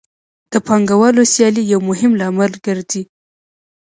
د پانګوالو سیالي یو مهم لامل ګرځي